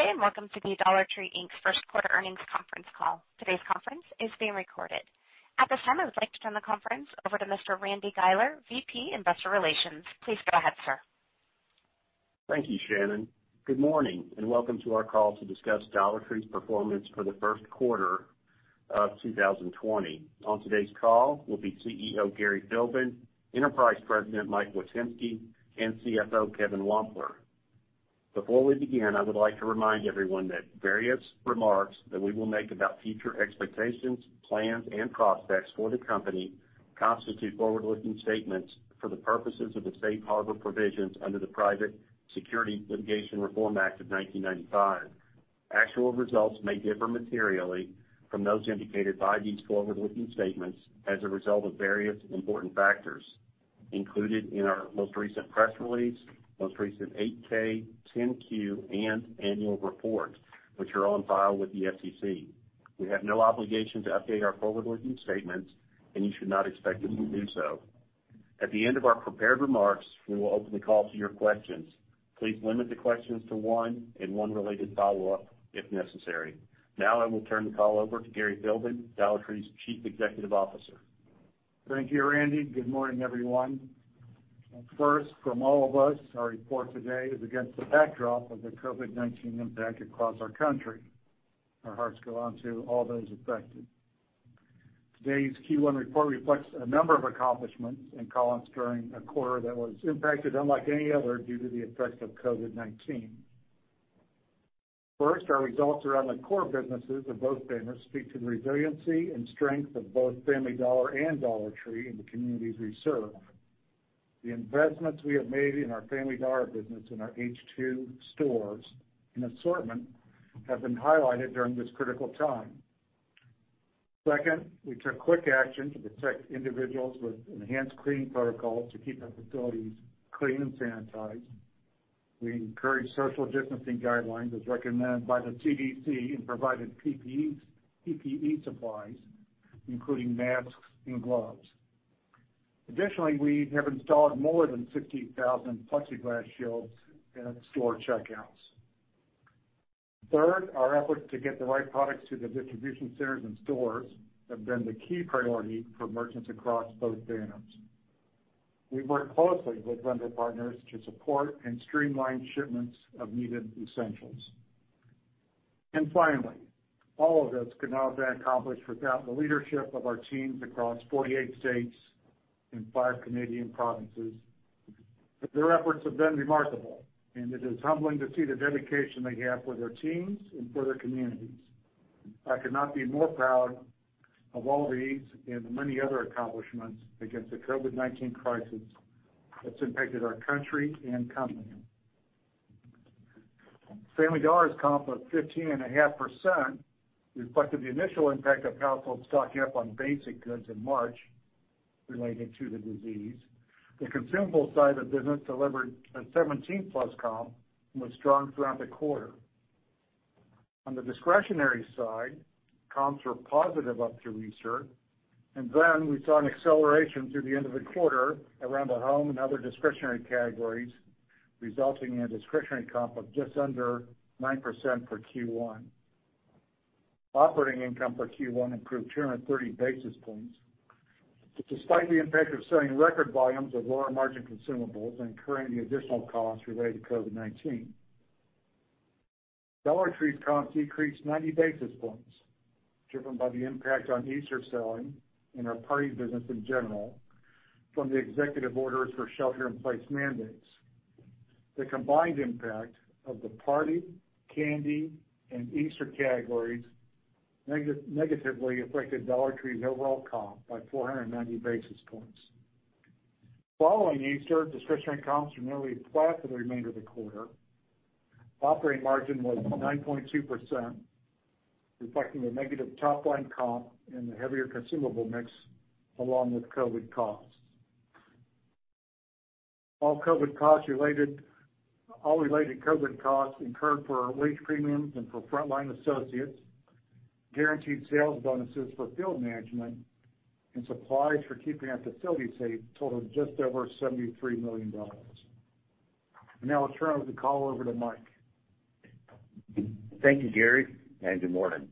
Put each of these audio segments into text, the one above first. Good day, and welcome to the Dollar Tree Inc.'s Q1 earnings conference call. Today's conference is being recorded. At this time, I would like to turn the conference over to Mr. Randy Guiler, VP, Investor Relations. Please go ahead, sir. Thank you, Shannon. Good morning, and welcome to our call to discuss Dollar Tree's performance for the Q1 of 2020. On today's call will be CEO Gary Philbin, Enterprise President Mike Witynski, and CFO Kevin Wampler. Before we begin, I would like to remind everyone that various remarks that we will make about future expectations, plans, and prospects for the company constitute forward-looking statements for the purposes of the safe harbor provisions under the Private Securities Litigation Reform Act of 1995. Actual results may differ materially from those indicated by these forward-looking statements as a result of various important factors included in our most recent press release, most recent 8-K, 10-Q, and annual report, which are on file with the SEC. We have no obligation to update our forward-looking statements, and you should not expect us to do so. At the end of our prepared remarks, we will open the call to your questions. Please limit the questions to one, and one related follow-up if necessary. Now I will turn the call over to Gary Philbin, Dollar Tree's Chief Executive Officer. Thank you, Randy. Good morning, everyone. From all of us, our report today is against the backdrop of the COVID-19 impact across our country. Our hearts go out to all those affected. Today's Q1 report reflects a number of accomplishments during a quarter that was impacted unlike any other due to the effects of COVID-19. Our results around the core businesses of both banners speak to the resiliency and strength of both Family Dollar and Dollar Tree in the communities we serve. The investments we have made in our Family Dollar business, in our H2 stores and assortment have been highlighted during this critical time. We took quick action to protect individuals with enhanced cleaning protocols to keep our facilities clean and sanitized. We encouraged social distancing guidelines as recommended by the CDC and provided PPE supplies, including masks and gloves. Additionally, we have installed more than 60,000 Plexiglass shields at store checkouts. Third, our efforts to get the right products to the distribution centers and stores have been the key priority for merchants across both banners. We've worked closely with vendor partners to support and streamline shipments of needed essentials. Finally, all of this could not have been accomplished without the leadership of our teams across 48 states and five Canadian provinces. Their efforts have been remarkable, and it is humbling to see the dedication they have for their teams and for their communities. I could not be prouder of all these and many other accomplishments against the COVID-19 crisis that's impacted our country and company. Family Dollar's comp of 15.5% reflected the initial impact of households stocking up on basic goods in March related to the disease. The consumable side of the business delivered a 17-plus comp and was strong throughout the quarter. On the discretionary side, comps were positive up through Easter, and then we saw an acceleration through the end of the quarter around the home and other discretionary categories, resulting in a discretionary comp of just under 9% for Q1. Operating income for Q1 improved 230-basis points, despite the impact of selling record volumes of lower-margin consumables and incurring the additional costs related to COVID-19. Dollar Tree's comps decreased 90-basis points, driven by the impact on Easter selling and our party business in general from the executive orders for shelter-in-place mandates. The combined impact of the party, candy, and Easter categories negatively affected Dollar Tree's overall comp by 490-basis points. Following Easter, discretionary comps were nearly flat for the remainder of the quarter. Operating margin was 9.2%, reflecting the negative top-line comp and the heavier consumable mix along with COVID costs. All related COVID costs incurred for wage premiums and for frontline associates, guaranteed sales bonuses for field management, and supplies for keeping our facilities safe totaled just over $73 million. Now I'll turn the call over to Mike. Thank you, Gary. Good morning.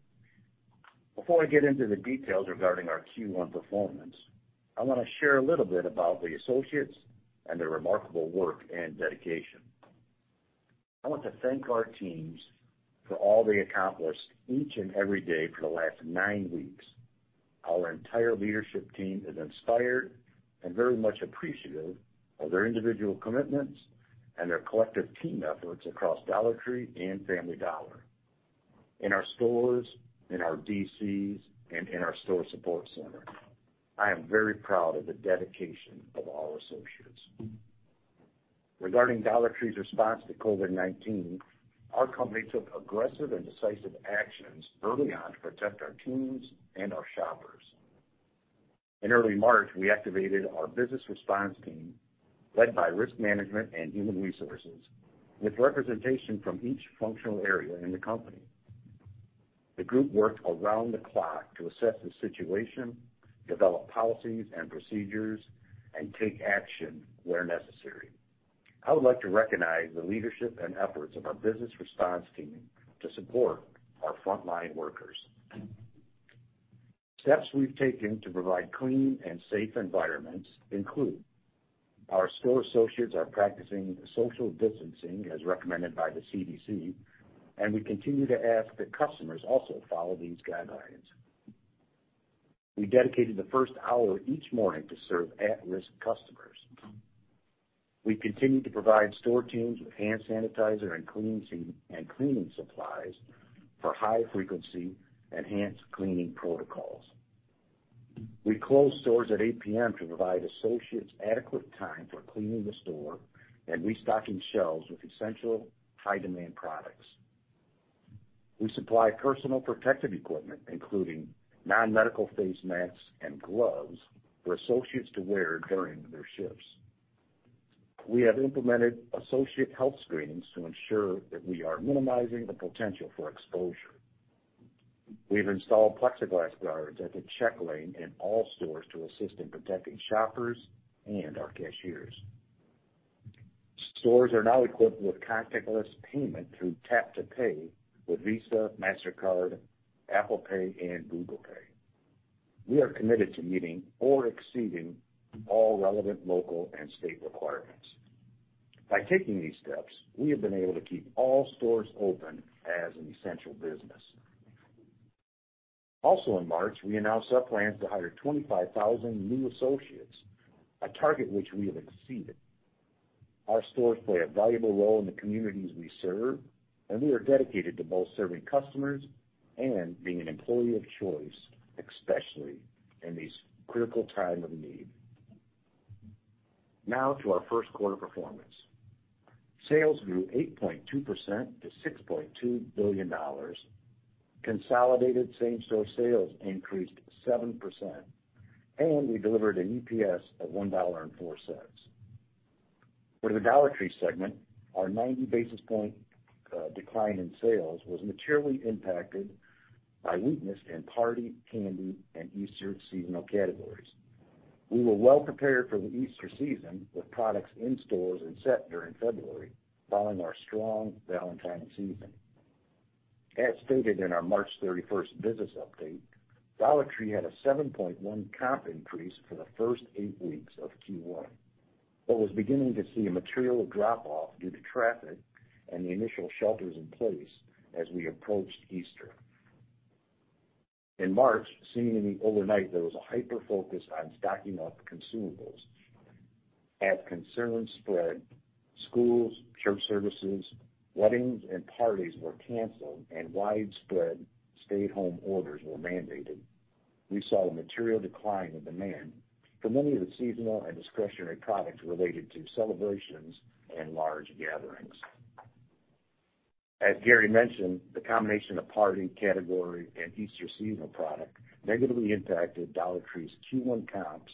Before I get into the details regarding our Q1 performance, I want to share a little bit about the associates and their remarkable work and dedication. I want to thank our teams for all they accomplish each and every day for the last nine weeks. Our entire leadership team is inspired and very much appreciative of their individual commitments and their collective team efforts across Dollar Tree and Family Dollar. In our stores, in our DCs, and in our store support center, I am very proud of the dedication of all associates. Regarding Dollar Tree's response to COVID-19, our company took aggressive and decisive actions early on to protect our teams and our shoppers. In early March, we activated our business response team, led by risk management and human resources, with representation from each functional area in the company. The group worked around the clock to assess the situation, develop policies and procedures, and take action where necessary. I would like to recognize the leadership and efforts of our business response team to support our frontline workers. Steps we've taken to provide clean and safe environments include our store associates are practicing social distancing as recommended by the CDC, and we continue to ask that customers also follow these guidelines. We dedicated the first hour each morning to serve at-risk customers. We continue to provide store teams with hand sanitizer and cleaning supplies for high-frequency enhanced cleaning protocols. We close stores at 8:00 P.M. to provide associates adequate time for cleaning the store and restocking shelves with essential high-demand products. We supply personal protective equipment, including non-medical face masks and gloves, for associates to wear during their shifts. We have implemented associate health screenings to ensure that we are minimizing the potential for exposure. We've installed Plexiglass guards at the check lane in all stores to assist in protecting shoppers and our cashiers. Stores are now equipped with contactless payment through tap-to-pay with Visa, Mastercard, Apple Pay, and Google Pay. We are committed to meeting or exceeding all relevant local and state requirements. By taking these steps, we have been able to keep all stores open as an essential business. Also in March, we announced our plans to hire 25,000 new associates, a target which we have exceeded. Our stores play a valuable role in the communities we serve, and we are dedicated to both serving customers and being an employee of choice, especially in this critical time of need. Now to our Q1 performance. Sales grew 8.2% to $6.2 billion. Consolidated same-store sales increased 7%, and we delivered an EPS of $1.04. For the Dollar Tree segment, our 90-basis point decline in sales was materially impacted by weakness in party, candy, and Easter seasonal categories. We were well prepared for the Easter season with products in stores and set during February, following our strong Valentine's season. As stated in our March 31st business update, Dollar Tree had a 7.1 comp increase for the first eight weeks of Q1 but was beginning to see a material drop-off due to traffic and the initial shelters in place as we approached Easter. In March, seemingly overnight, there was a hyper-focus on stocking up consumables. As concerns spread, schools, church services, weddings, and parties were canceled, and widespread stay-at-home orders were mandated. We saw a material decline in demand for many of the seasonal and discretionary products related to celebrations and large gatherings. As Gary mentioned, the combination of party category and Easter seasonal product negatively impacted Dollar Tree's Q1 comps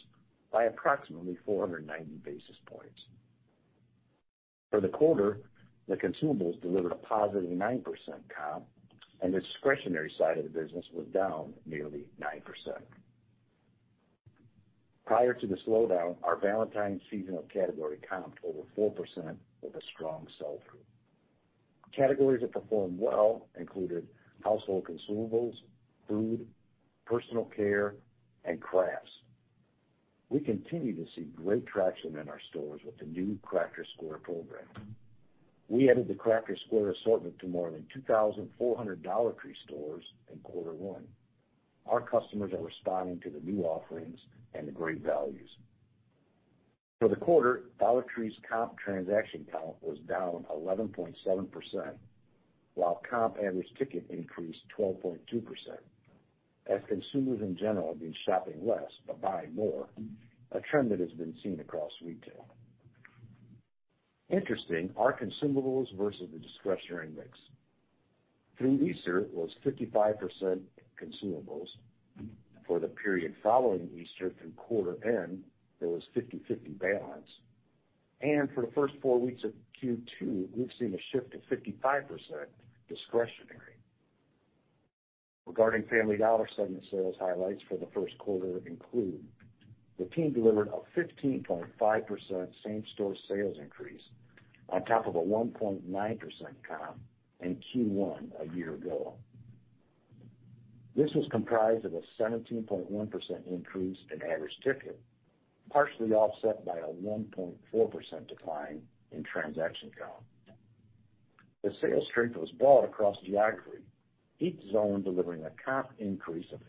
by approximately 490-basis points. For the quarter, the consumables delivered a positive 9% comp, and the discretionary side of the business was down nearly 9%. Prior to the slowdown, our Valentine's seasonal category comped over 4% with a strong sell-through. Categories that performed well included household consumables, food, personal care, and crafts. We continue to see great traction in our stores with the new Crafter's Square program. We added the Crafter's Square assortment to more than 2,400 Dollar Tree stores in quarter one. Our customers are responding to the new offerings and the great values. For the quarter, Dollar Tree's comp transaction count was down 11.7%, while comp average ticket increased 12.2%, as consumers in general have been shopping less but buying more a trend that has been seen across retail. Interesting, our consumables versus the discretionary mix. Through Easter, it was 55% consumables. For the period following Easter through quarter end, there was 50/50 balance. For the first four weeks of Q2, we've seen a shift to 55% discretionary. Regarding Family Dollar segment sales highlights for the Q1 include the team delivered a 15.5% same-store sales increase on top of a 1.9% comp in Q1 a year ago. This was comprised of a 17.1% increase in average ticket, partially offset by a 1.4% decline in transaction count. The sales strength was broad across geography, each zone delivering a comp increase of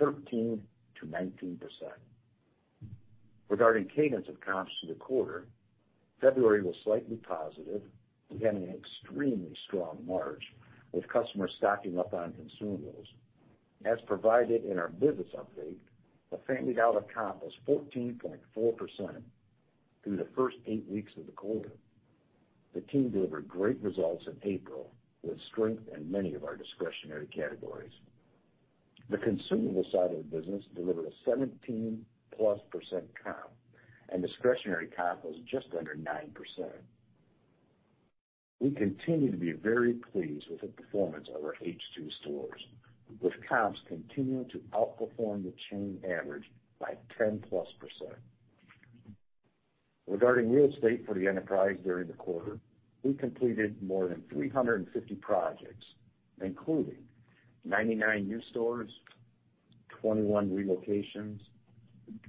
13%-19%. Regarding cadence of comps for the quarter, February was slightly positive. We had an extremely strong March, with customers stocking up on consumables. As provided in our business update, the Family Dollar comp was 14.4% through the first eight weeks of the quarter. The team delivered great results in April, with strength in many of our discretionary categories. The consumable side of the business delivered a 17+% comp, and discretionary comp was just under 9%. We continue to be very pleased with the performance of our H2 stores, with comps continuing to outperform the chain average by 10+%. Regarding real estate for the enterprise during the quarter, we completed more than 350 projects, including 99 new stores, 21 relocations,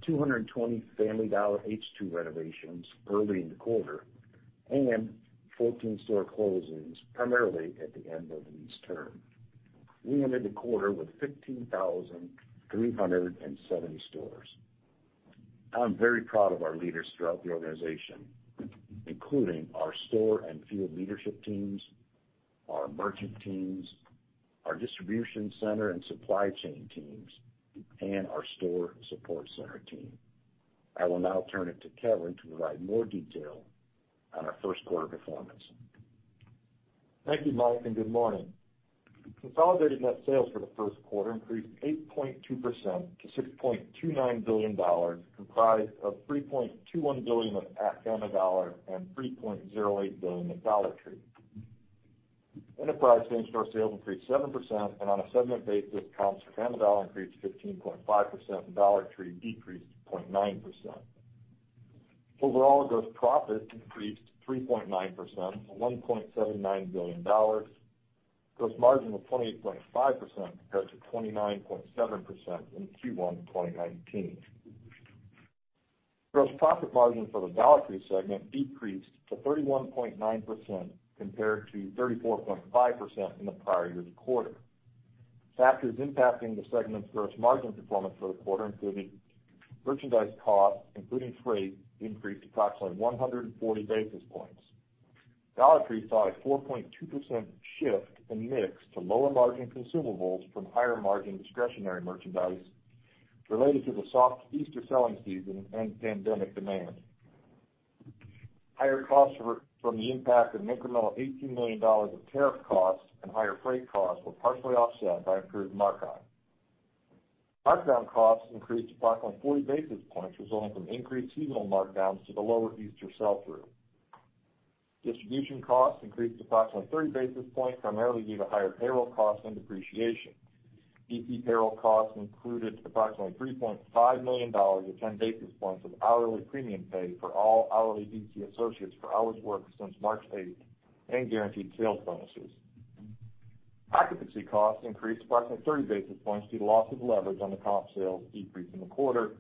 220 Family Dollar H2 renovations early in the quarter, and 14 store closings, primarily at the end of the lease term. We ended the quarter with 15,370 stores. I'm very proud of our leaders throughout the organization, including our store and field leadership teams, our merchant teams, our distribution center and supply chain teams, and our store support center team. I will now turn it to Kevin to provide more detail on our Q1 performance. Thank you, Mike. Good morning. Consolidated net sales for the Q1 increased 8.2% to $6.29 billion, comprised of $3.21 billion at Family Dollar and $3.08 billion at Dollar Tree. Enterprise same-store sales increased 7%. On a segment basis, comps for Family Dollar increased 15.5% and Dollar Tree decreased 0.9%. Overall, gross profit increased 3.9% to $1.79 billion. Gross margin was 28.5% compared to 29.7% in Q1 2019. Gross profit margin for the Dollar Tree segment decreased to 31.9% compared to 34.5% in the prior year's quarter. Factors impacting the segment's gross margin performance for the quarter included merchandise costs, including freight, increased approximately 140-basis points. Dollar Tree saw a 4.2% shift in mix to lower-margin consumables from higher-margin discretionary merchandise related to the soft Easter selling season and pandemic demand. Higher costs from the impact of an incremental $18 million of tariff costs and higher freight costs were partially offset by improved markdown. Markdown costs increased approximately 40-basis points resulting from increased seasonal markdowns to the lower Easter sell-through. Distribution costs increased approximately 30-basis points, primarily due to higher payroll costs and depreciation. DC payroll costs included approximately $3.5 million or 10-basis points of hourly premium pay for all hourly DC associates for hours worked since March 8th and guaranteed sales bonuses. Occupancy costs increased approximately 30-basis points due to loss of leverage on the comp sales decrease in the quarter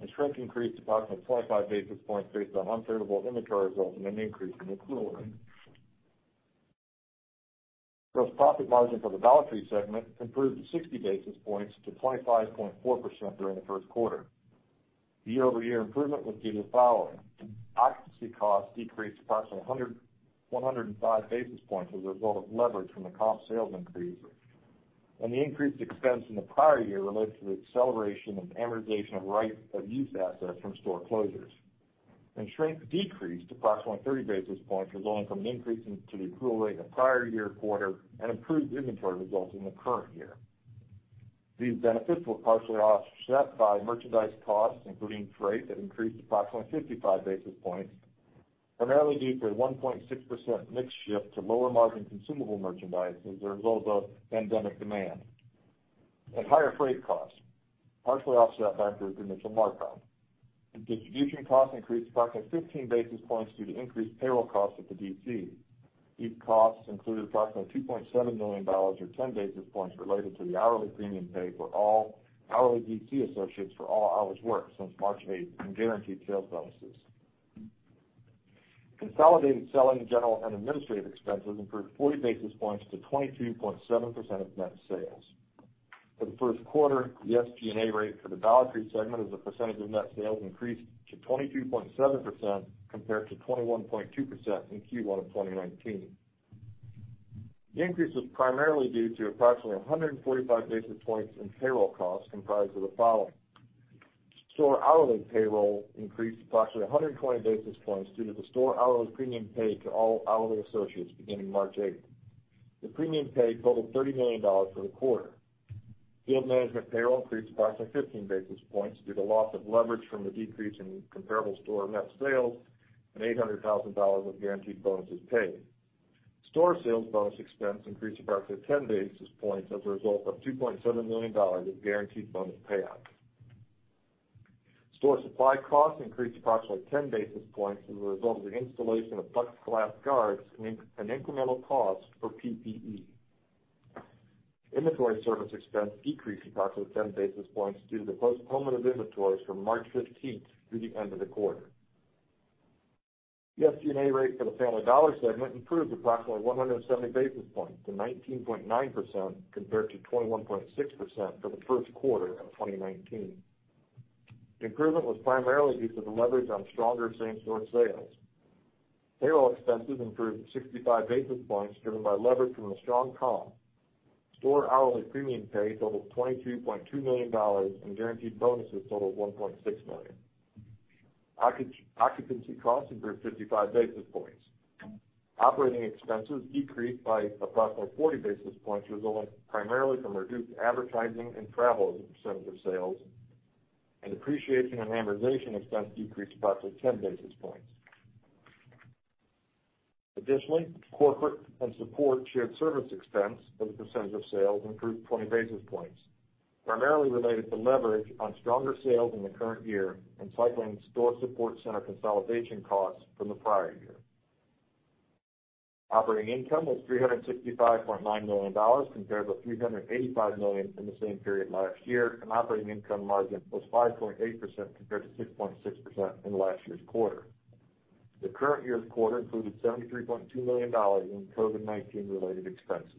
and shrink increased approximately 25 basis points based on unfavorable inventory resulting in an increase in the accrual. Gross profit margin for the Dollar Tree segment improved 60 basis points to 25.4% during the Q1. The year-over-year improvement was due to the following. Occupancy costs decreased approximately 105-basis points as a result of leverage from the comp sales increase and the increased expense in the prior year related to the acceleration of amortization of right-of-use assets from store closures. Shrink decreased approximately 30-basis points resulting from an increase to the accrual rate in the prior year quarter and improved inventory results in the current year. These benefits were partially offset by merchandise costs, including freight, that increased approximately 55-basis points, primarily due to a 1.6% mix shift to lower-margin consumable merchandise as a result of pandemic demand and higher freight costs, partially offset by improved merchandise markdown. Distribution costs increased approximately 15-basis points due to increased payroll costs at the DC. These costs included approximately $2.7 million or 10-basis points related to the hourly premium paid for all hourly DC associates for all hours worked since March 8th and guaranteed sales bonuses. Consolidated selling, general, and administrative expenses improved 40-basis points to 22.7% of net sales. For the Q1, the SG&A rate for the Dollar Tree segment as a percentage of net sales increased to 22.7% compared to 21.2% in Q1 of 2019. The increase was primarily due to approximately 145-basis points in payroll costs, comprised of the following. Store hourly payroll increased approximately 120-basis points due to the store hourly premium paid to all hourly associates beginning March 8th. The premium paid totaled $30 million for the quarter. Field management payroll increased approximately 15 basis points due to loss of leverage from the decrease in comparable store net sales and $800,000 of guaranteed bonuses paid. Store sales bonus expense increased approximately 10-basis points as a result of $2.7 million of guaranteed bonus payouts. Store supply costs increased approximately 10 basis points as a result of the installation of Plexiglass guards and incremental costs for PPE. Inventory service expense decreased approximately 10-basis points due to the postponement of inventories from March 15th through the end of the quarter. The SG&A rate for the Family Dollar segment improved approximately 170-basis points to 19.9% compared to 21.6% for the Q1 of 2019. The improvement was primarily due to the leverage on stronger same-store sales. Payroll expenses improved 65-basis points driven by leverage from the strong comp. Store hourly premium pay totaled $22.2 million, and guaranteed bonuses totaled $1.6 million. Occupancy costs improved 55-basis points. Operating expenses decreased by approximately 40-basis points, resulting primarily from reduced advertising and travel as a percent of sales. Depreciation and amortization expense decreased approximately 10-basis points. Additionally, corporate and support shared service expense as a percent of sales improved 20-basis points, primarily related to leverage on stronger sales in the current year and cycling store support center consolidation costs from the prior year. Operating income was $365.9 million compared with $385 million in the same period last year, and operating income margin was 5.8% compared to 6.6% in last year's quarter. The current year's quarter included $73.2 million in COVID-19 related expenses.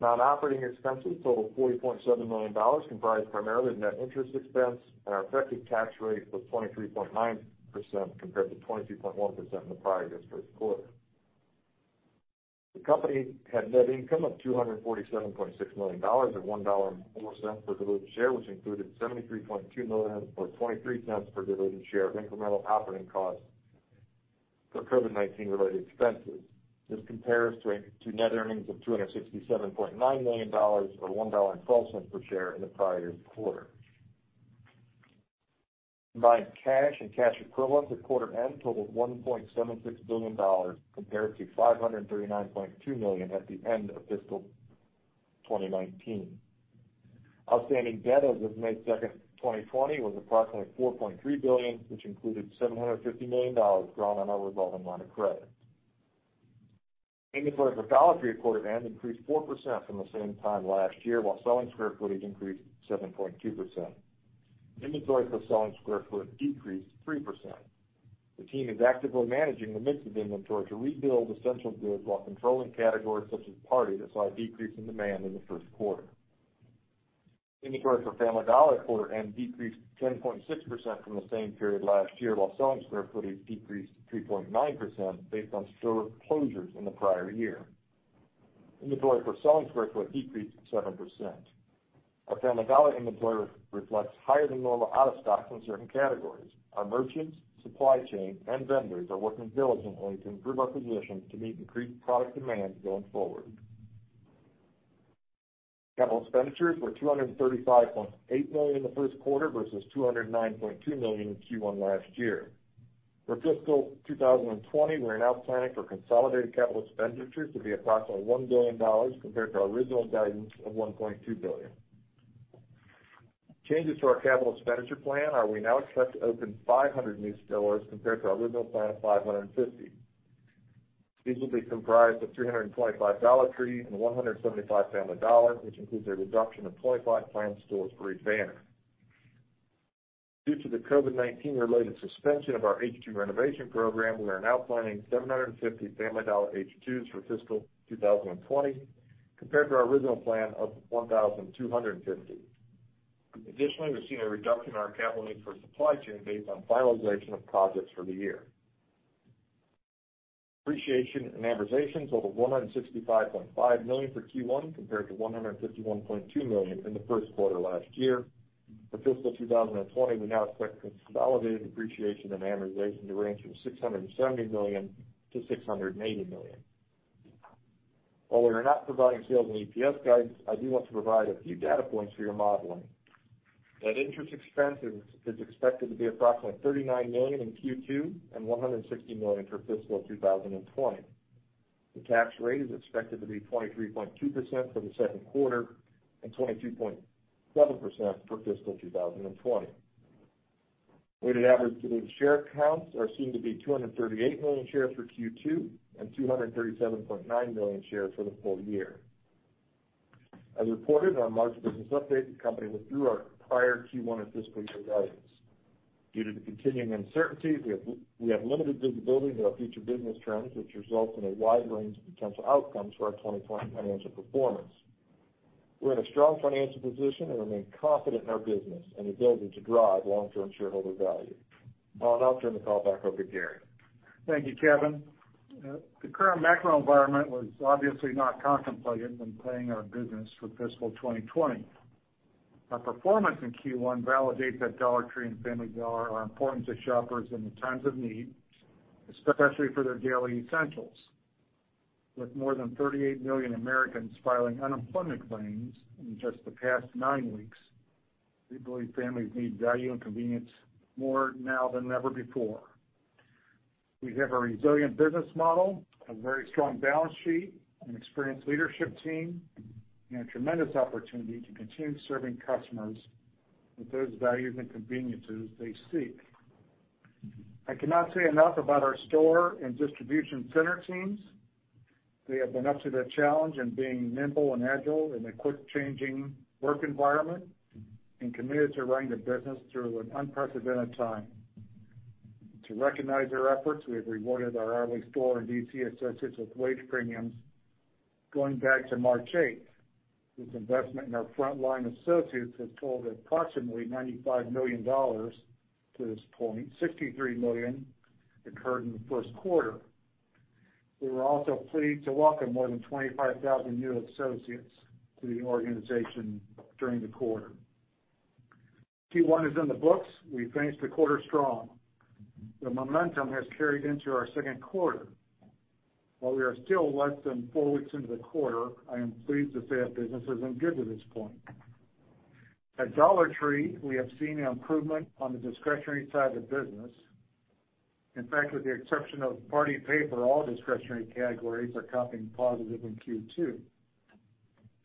Non-operating expenses totaled $40.7 million, comprised primarily of net interest expense, and our effective tax rate was 23.9% compared to 22.1% in the prior year's Q1. The company had net income of $247.6 million or $1.04 per diluted share, which included $73.2 million or $0.23 per diluted share of incremental operating costs for COVID-19 related expenses. This compares to net earnings of $267.9 million or $1.12 per share in the prior year's quarter. Combined cash and cash equivalents at quarter end totaled $1.76 billion, compared to $539.2 million at the end of fiscal 2019. Outstanding debt as of May 2nd, 2020, was approximately $4.3 billion, which included $750 million drawn on our revolving line of credit. Inventory for Dollar Tree at quarter end increased 4% from the same time last year, while selling square footage increased 7.2%. Inventory per selling square foot decreased 3%. The team is actively managing the mix of inventory to rebuild essential goods while controlling categories such as party that saw a decrease in demand in the Q1. Inventory for Family Dollar at quarter end decreased 10.6% from the same period last year, while selling square footage decreased 3.9% based on store closures in the prior year. Inventory per selling square foot decreased 7%. Our Family Dollar inventory reflects higher than normal out of stocks in certain categories. Our merchants, supply chain, and vendors are working diligently to improve our position to meet increased product demand going forward. Capital expenditures were $235.8 million in the Q1 versus $209.2 million in Q1 last year. For fiscal 2020, we're now planning for consolidated capital expenditures to be approximately $1 billion, compared to our original guidance of $1.2 billion. Changes to our capital expenditure plan are we now expect to open 500 new stores compared to our original plan of 550. These will be comprised of 325 Dollar Trees and 175 Family Dollars, which includes a reduction of 25 planned stores for each banner. Due to the COVID-19-related suspension of our H2 renovation program, we are now planning 750 Family Dollar H2s for fiscal 2020, compared to our original plan of 1,250. Additionally, we're seeing a reduction in our capital needs for supply chain based on finalization of projects for the year. Depreciation and amortization totaled $165.5 million for Q1, compared to $151.2 million in the Q1 last year. For fiscal 2020, we now expect consolidated depreciation and amortization to range from $670-$680 million. While we are not providing sales and EPS guidance, I do want to provide a few data points for your modeling. Net interest expense is expected to be approximately $39 million in Q2 and $160 million for fiscal 2020. The tax rate is expected to be 23.2% for the Q2 and 22.7% for fiscal 2020. Weighted average diluted share counts are seen to be 238 million shares for Q2 and 237.9 million shares for the full year. As reported in our March business update, the company withdrew our prior Q1 and fiscal year guidance. Due to the continuing uncertainty, we have limited visibility into our future business trends, which results in a wide range of potential outcomes for our 2020 financial performance. We're in a strong financial position and remain confident in our business and ability to drive long-term shareholder value. Now I'll turn the call back over to Gary. Thank you, Kevin. The current macro environment was obviously not contemplated when planning our business for fiscal 2020. Our performance in Q1 validates that Dollar Tree and Family Dollar are important to shoppers in the times of need, especially for their daily essentials. With more than 38 million Americans filing unemployment claims in just the past nine weeks, we believe families need value and convenience more now than ever before. We have a resilient business model, a very strong balance sheet, an experienced leadership team, and a tremendous opportunity to continue serving customers with those values and conveniences they seek. I cannot say enough about our store and distribution center teams. They have been up to the challenge in being nimble and agile in a quick-changing work environment and committed to running the business through an unprecedented time. To recognize their efforts, we have rewarded our hourly store and D.C. associates with wage premiums going back to March 8th. This investment in our frontline associates has totaled approximately $95 million to this point, $63 million incurred in the Q1. We were also pleased to welcome more than 25,000 new associates to the organization during the quarter. Q1 is in the books. We finished the quarter strong. The momentum has carried into our second quarter. While we are still less than four weeks into the quarter, I am pleased to say that business has been good to this point. At Dollar Tree, we have seen improvement on the discretionary side of the business. In fact, with the exception of party paper, all discretionary categories are comping positive in Q2.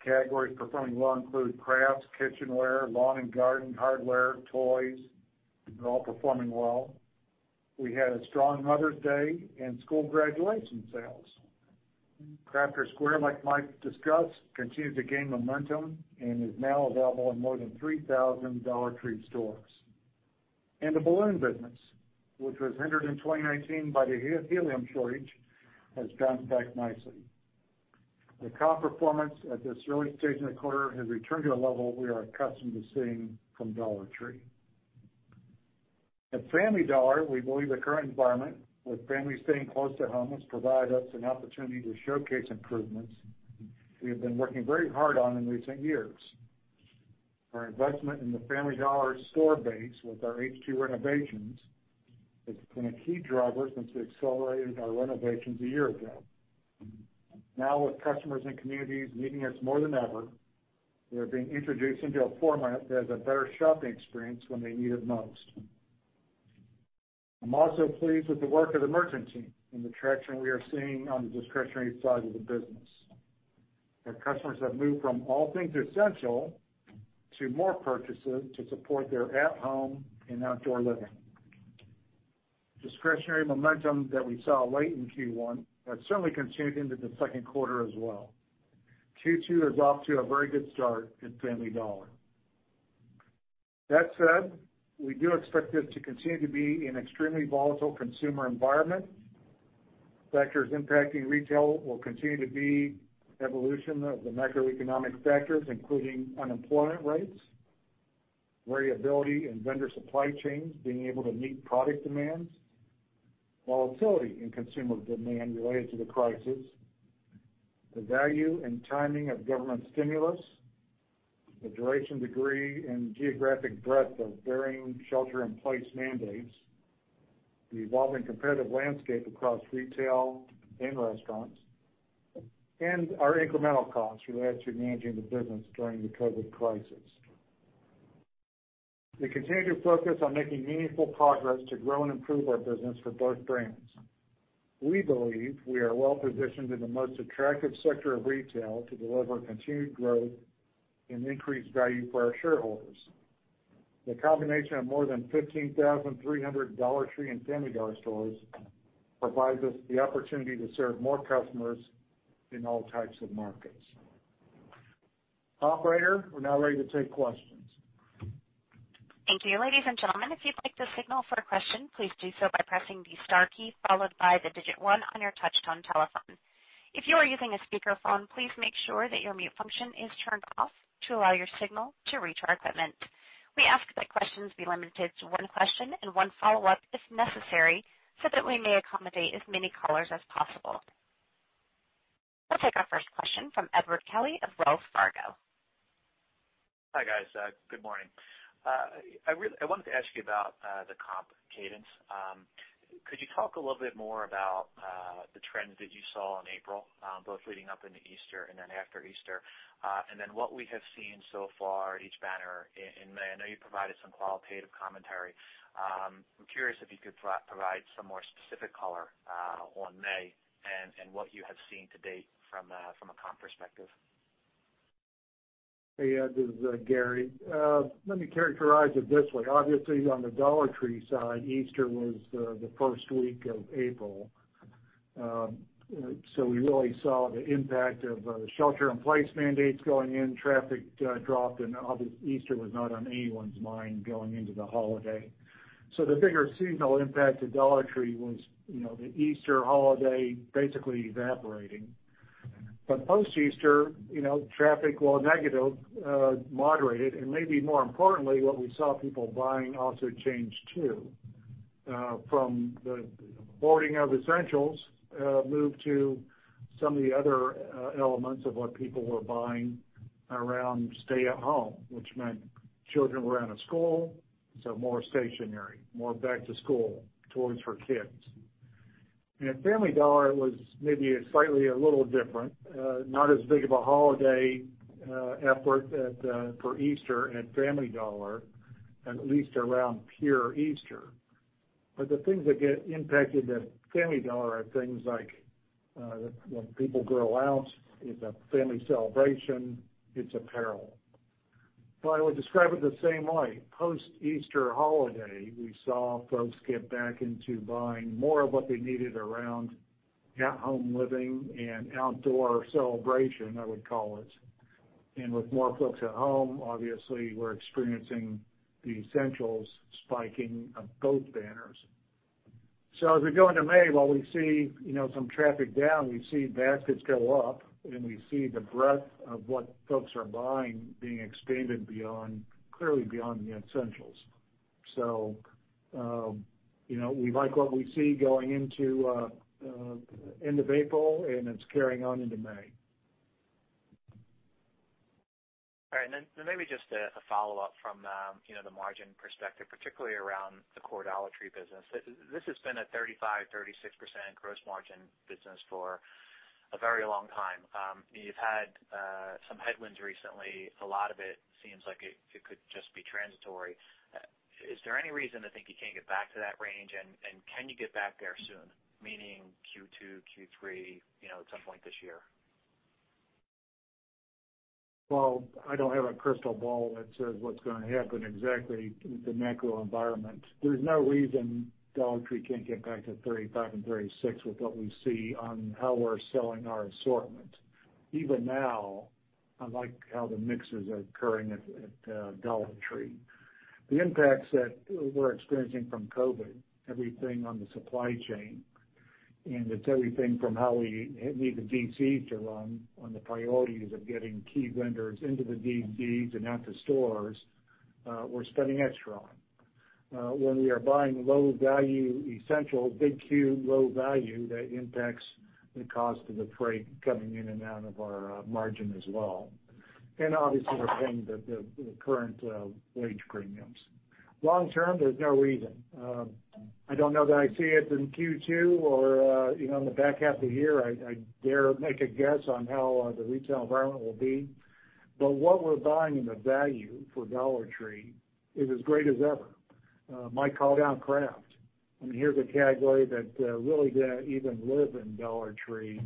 Categories performing well include crafts, kitchenware, lawn and garden, hardware, toys. They're all performing well. We had a strong Mother's Day and school graduation sales. Crafter's Square, like Mike discussed, continues to gain momentum and is now available in more than 3,000 Dollar Tree stores. The balloon business, which was hindered in 2019 by the helium shortage, has bounced back nicely. The comp performance at this early stage in the quarter has returned to a level we are accustomed to seeing from Dollar Tree. At Family Dollar, we believe the current environment, with families staying close to home, has provided us an opportunity to showcase improvements we have been working very hard on in recent years. Our investment in the Family Dollar store base with our H2 renovations has been a key driver since we accelerated our renovations a year ago. Now, with customers and communities needing us more than ever, they're being introduced into a format that has a better shopping experience when they need it most. I'm also pleased with the work of the merchant team and the traction we are seeing on the discretionary side of the business. Our customers have moved from all things essential to more purchases to support their at-home and outdoor living. Discretionary momentum that we saw late in Q1 has certainly continued into the Q2 as well. Q2 is off to a very good start at Family Dollar. That said, we do expect this to continue to be an extremely volatile consumer environment. Factors impacting retail will continue to be evolution of the macroeconomic factors, including unemployment rates, variability in vendor supply chains being able to meet product demands, volatility in consumer demand related to the crisis, the value and timing of government stimulus, the duration, degree, and geographic breadth of varying shelter-in-place mandates, the evolving competitive landscape across retail and restaurants, and our incremental costs related to managing the business during the COVID-19 crisis. We continue to focus on making meaningful progress to grow and improve our business for both brands. We believe we are well-positioned in the most attractive sector of retail to deliver continued growth and increased value for our shareholders. The combination of more than 15,300 Dollar Tree and Family Dollar stores provides us the opportunity to serve more customers in all types of markets. Operator, we're now ready to take questions. Thank you. Ladies and gentlemen, if you'd like to signal for a question, please do so by pressing the star key, followed by the digit one on your touch-tone telephone. If you are using a speakerphone, please make sure that your mute function is turned off to allow your signal to reach our equipment. We ask that questions be limited to one question and one follow-up if necessary, so that we may accommodate as many callers as possible. We'll take our first question from Edward Kelly of Wells Fargo. Hi, guys. Good morning. I wanted to ask you about the comp cadence. Could you talk a little bit more about the trends that you saw in April, both leading up into Easter and then after Easter? What we have seen so far at each banner in May, I know you provided some qualitative commentary. I'm curious if you could provide some more specific color on May and what you have seen to date from a comp perspective. Hey, Ed. This is Gary. Let me characterize it this way. Obviously, on the Dollar Tree side, Easter was the first week of April. We really saw the impact of shelter-in-place mandates going in. Traffic dropped, obviously, Easter was not on anyone's mind going into the holiday. The bigger seasonal impact to Dollar Tree was the Easter holiday basically evaporating. Post-Easter, traffic, while negative, moderated, and maybe more importantly, what we saw people buying also changed too, from the hoarding of essentials moved to some of the other elements of what people were buying around stay-at-home. Which meant children were out of school, more stationery, more back-to-school, toys for kids. At Family Dollar, it was maybe slightly a little different. Not as big of a holiday effort for Easter at Family Dollar, at least around pure Easter. The things that get impacted at Family Dollar are things like when people grill out, it's a family celebration, it's apparel. I would describe it the same way. Post-Easter holiday, we saw folks get back into buying more of what they needed around at-home living and outdoor celebration, I would call it. With more folks at home, obviously, we're experiencing the essentials spiking at both banners. As we go into May, while we see some traffic down, we see baskets go up, and we see the breadth of what folks are buying being expanded clearly beyond the essentials. We like what we see going into end of April, and it's carrying on into May. Then maybe just a follow-up from the margin perspective, particularly around the core Dollar Tree business. This has been a 35%, 36% gross margin business for a very long time. You've had some headwinds recently. A lot of it seems like it could just be transitory. Is there any reason to think you can't get back to that range? And can you get back there soon, meaning Q2, Q3, at some point this year? Well, I don't have a crystal ball that says what's going to happen exactly with the macro environment. There's no reason Dollar Tree can't get back to 35% and 36% with what we see on how we're selling our assortment. Even now, I like how the mixes are occurring at Dollar Tree. The impacts that we're experiencing from COVID, everything on the supply chain, it's everything from how we need the DCs to run on the priorities of getting key vendors into the DCs and out to stores, we're spending extra on. When we are buying low value essentials, big cube, low value, that impacts the cost of the freight coming in and out of our margin as well. Obviously, we're paying the current wage premiums. Long term, there's no reason. I don't know that I see it in Q2 or in the back half of the year. I dare make a guess on how the retail environment will be. What we're buying in the value for Dollar Tree is as great as ever. Mike called out craft, and here's a category that really didn't even live in Dollar Tree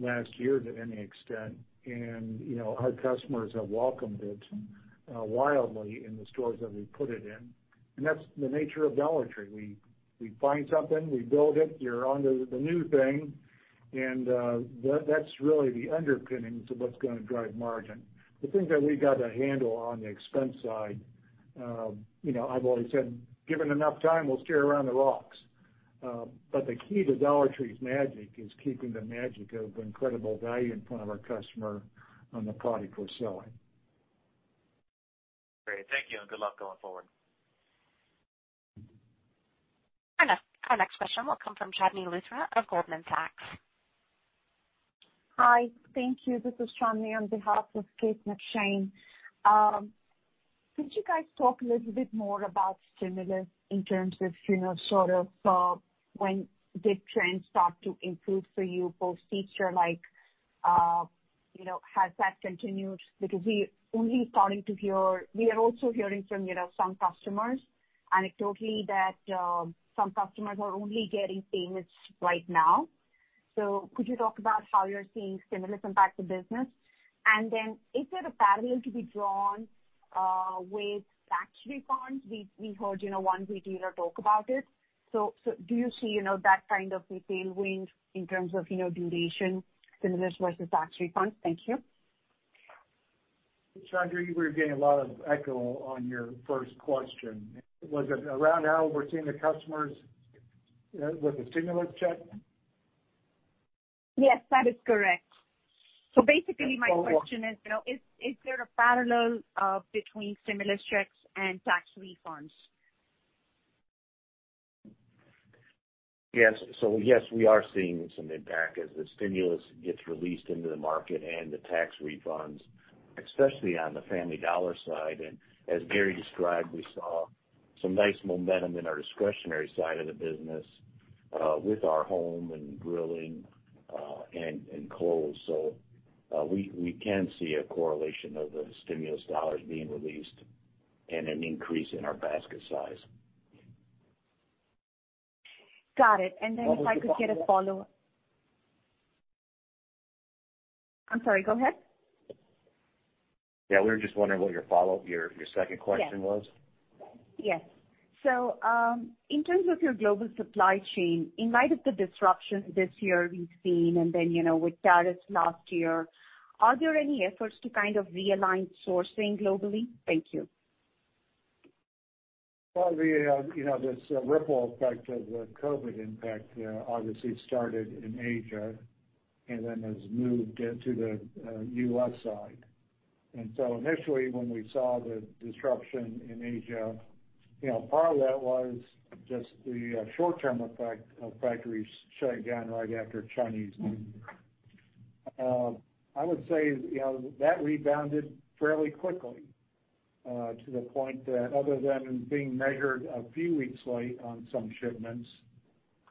last year to any extent, and our customers have welcomed it wildly in the stores that we put it in. That's the nature of Dollar Tree. We find something, we build it, you're onto the new thing, and that's really the underpinning to what's going to drive margin. The things that we've got to handle on the expense side, I've always said, given enough time, we'll steer around the rocks. The key to Dollar Tree's magic is keeping the magic of incredible value in front of our customer on the product we're selling. Great. Thank you, and good luck going forward. Our next question will come from Chandni Luthra of Goldman Sachs. Hi, thank you. This is Chandni on behalf of Kate McShane. Could you guys talk a little bit more about stimulus in terms of when did trends start to improve for you post-Easter? Has that continued? Because we are also hearing from some customers anecdotally that some customers are only getting payments right now. Could you talk about how you're seeing stimulus impact the business? Then is there a parallel to be drawn with tax refunds? We heard one retailer talk about it. Do you see that kind of retail wind in terms of duration, stimulus versus tax refunds? Thank you. Chandni, we were getting a lot of echoes on your first question. Was it around how we're seeing the customers with the stimulus check? Yes, that is correct. Basically, my question is there a parallel between stimulus checks and tax refunds? Yes, we are seeing some impact as the stimulus gets released into the market and the tax refunds, especially on the Family Dollar side. As Gary described, we saw some nice momentum in our discretionary side of the business with our home and grilling and clothes. We can see a correlation of the stimulus dollars being released and an increase in our basket size. Got it. Then if I could get a follow-up. I'm sorry, go ahead. Yeah, we were just wondering what your second question was. Yes. In terms of your global supply chain, in light of the disruptions this year we've seen and then with tariffs last year, are there any efforts to realign sourcing globally? Thank you. Well, this ripple effect of the COVID-19 impact obviously started in Asia and then has moved into the U.S. side. Initially, when we saw the disruption in Asia, part of that was just the short-term effect of factories shutting down right after Chinese New Year. I would say that rebounded fairly quickly to the point that other than being measured a few weeks late on some shipments,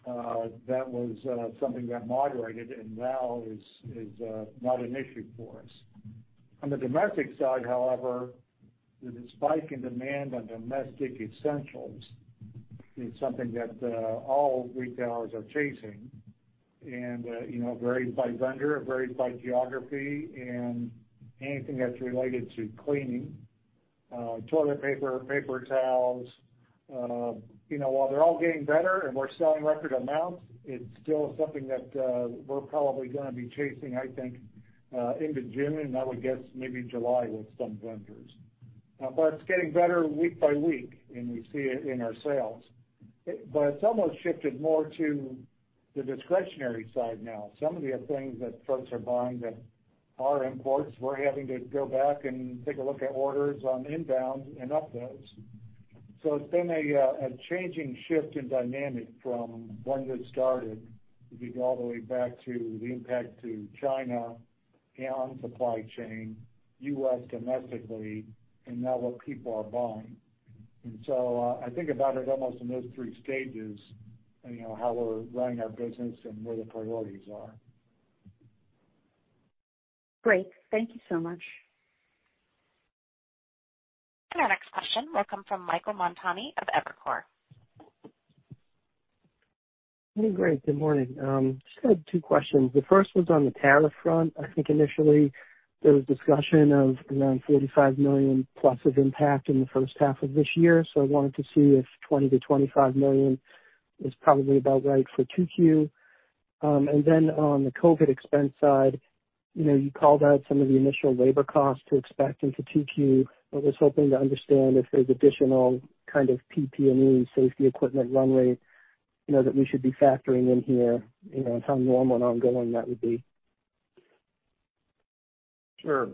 that was something that moderated and now is not an issue for us. On the domestic side, however, the spike in demand on domestic essentials is something that all retailers are chasing and it varies by vendor, it varies by geography, and anything that's related to cleaning, toilet paper towels. While they're all getting better and we're selling record amounts, it's still something that we're probably going to be chasing, I think, into June, and I would guess maybe July with some vendors. It's getting better week by week, and we see it in our sales. It's almost shifted more to the discretionary side now. Some of the things that folks are buying that are imports, we're having to go back and take a look at orders on inbounds and up those. It's been a changing shift in dynamic from when this started. If you go all the way back to the impact to China and on supply chain, U.S. domestically, and now what people are buying. I think about it almost in those three stages, how we're running our business and where the priorities are. Great. Thank you so much. Our next question will come from Michael Montani of Evercore. Great. Good morning. Just had two questions. The first was on the tariff front. I think initially there was discussion of around $45 million plus of impact in the H1 of this year. I wanted to see if $20-$25 million is probably about right for 2Q. On the COVID-19 expense side, you called out some of the initial labor costs to expect into 2Q. I was hoping to understand if there's additional kind of PPE safety equipment runway, that we should be factoring in here, and how normal and ongoing that would be. Sure.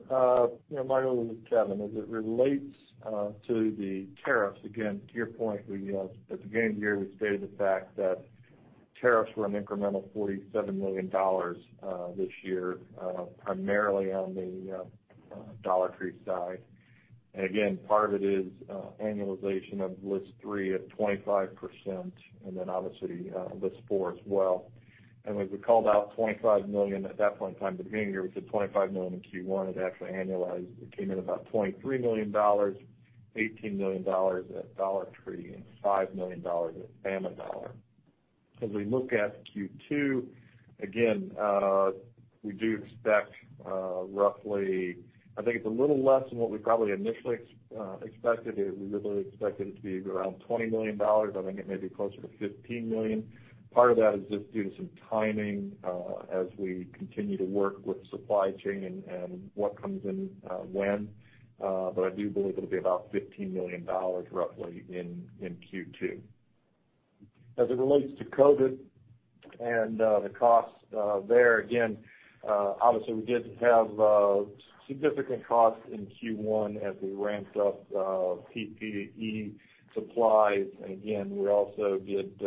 Michael, this is Kevin. As it relates to the tariffs, again, to your point, at the beginning of the year, we stated the fact that tariffs were an incremental $47 million this year, primarily on the Dollar Tree side. Again, part of it is annualization of list three at 25%, then obviously, list four as well. As we called out, $25 million at that point in time at the beginning of the year, we said $25 million in Q1. It actually annualized. It came in about $23 million, $18 million at Dollar Tree and $5 million at Family Dollar. As we look at Q2, again, we do expect roughly, I think it's a little less than what we probably initially expected. We really expected it to be around $20 million. I think it may be closer to $15 million. Part of that is just due to some timing as we continue to work with supply chain and what comes in when. I do believe it'll be about $15 million roughly in Q2. As it relates to COVID-19 and the costs there, again, obviously, we did have significant costs in Q1 as we ramped up PPE supplies. Again, we also did,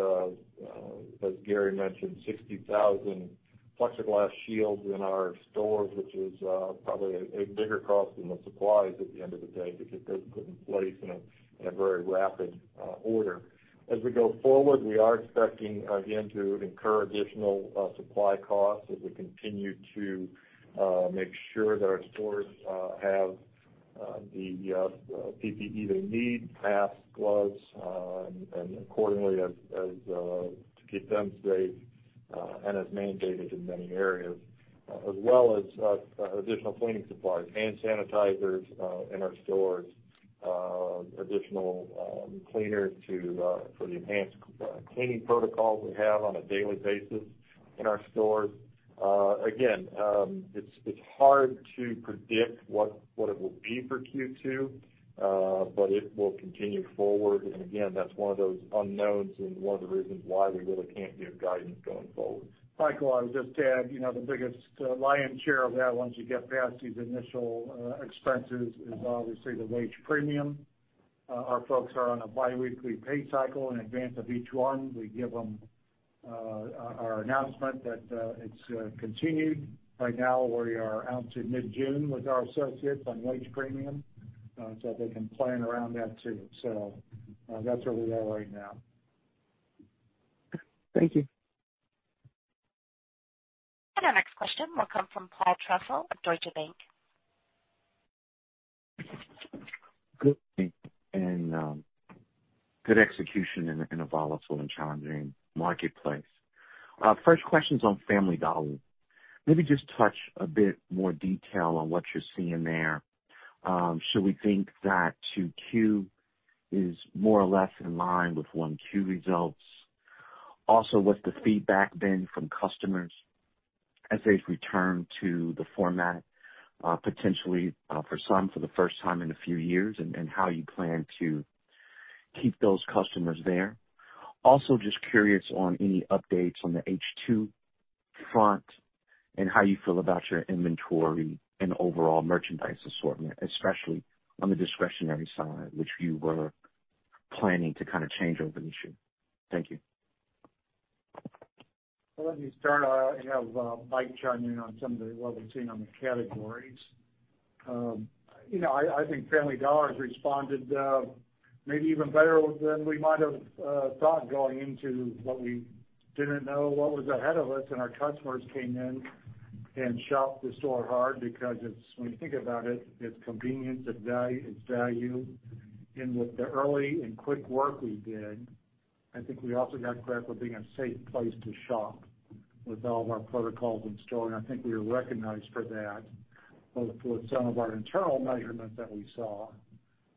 as Gary mentioned, 60,000 plexiglass shields in our stores, which is probably a bigger cost than the supplies at the end of the day because those put in place in a very rapid order. As we go forward, we are expecting again, to incur additional supply costs as we continue to make sure that our stores have the PPE they need, masks, gloves, and accordingly to keep them safe, and as mandated in many areas. As well as additional cleaning supplies, hand sanitizers in our stores, additional cleaners for the enhanced cleaning protocols we have on a daily basis in our stores. It's hard to predict what it will be for Q2. It will continue forward, and again, that's one of those unknowns and one of the reasons why we really can't give guidance going forward. Michael, I would just add, the biggest lion's share of that, once you get past these initial expenses, is obviously the wage premium. Our folks are on a biweekly pay cycle. In advance of each one, we give them our announcement that it's continued. Right now, we are out to mid-June with our associates on wage premium, so they can plan around that, too. That's where we are right now. Thank you. Our next question will come from Paul Trussell of Deutsche Bank. Good day, good execution in a volatile and challenging marketplace. First question's on Family Dollar. Maybe just touch a bit more detail on what you're seeing there. Should we think that 2Q is more or less in line with 1Q results? What's the feedback been from customers as they've returned to the format, potentially for some, for the first time in a few years, and how you plan to keep those customers there? Just curious on any updates on the H2 front and how you feel about your inventory and overall merchandise assortment, especially on the discretionary side, which you were planning to kind of change over the issue. Thank you. Let me start. I have Mike chime in on some of what we've seen on the categories. I think Family Dollar's responded maybe even better than we might have thought going into what we didn't know what was ahead of us. Our customers came in and shopped the store hard because when you think about it's convenient, it's value. With the early and quick work we did, I think we also got credit for being a safe place to shop with all of our protocols in store, and I think we were recognized for that, both with some of our internal measurements that we saw.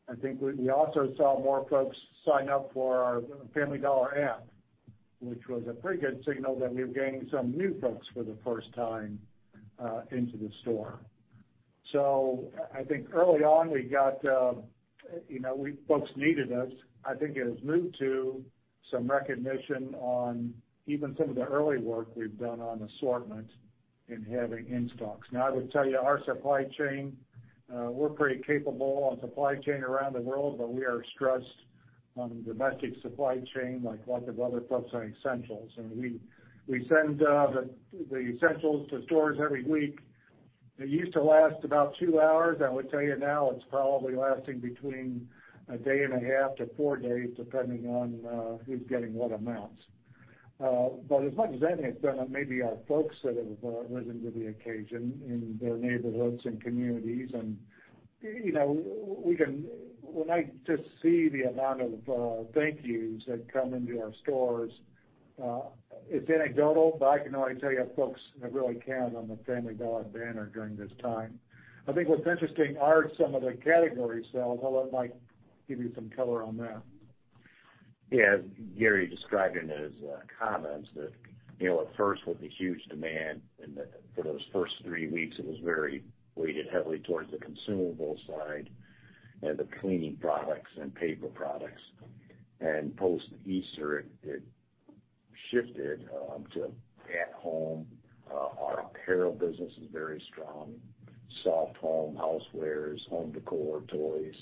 I think we also saw more folks sign up for our Family Dollar app, which was a pretty good signal that we've gained some new folks for the first time into the store. I think early on folks needed us. I think it has moved to some recognition on even some of the early work we've done on assortment in having in stocks. I would tell you our supply chain, we're pretty capable on supply chain around the world, but we are stressed on the domestic supply chain like lots of other folks on essentials. We send the essentials to stores every week. It used to last about two hours. I would tell you now it's probably lasting between a day and a half to four days, depending on who's getting what amounts. As much as anything, it's been maybe our folks that have risen to the occasion in their neighborhoods and communities. When I just see the amount of thank you(s) that come into our stores, it's anecdotal, but I can only tell you folks have really counted on the Family Dollar banner during this time. I think what's interesting are some of the category sales. I'll let Mike give you some color on that. Yeah, Gary described in his comments that at first, with the huge demand and for those first three weeks, it was very weighted heavily towards the consumable side and the cleaning products and paper products. Post Easter, it shifted to at home. Our apparel business is very strong. Soft home housewares, home decor, toys,